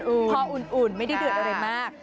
พออุ่นไม่ได้เดือดอะไรมาก